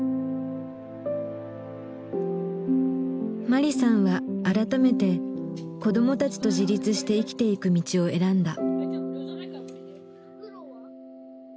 マリさんは改めて子どもたちと自立して生きていく道を選んだ。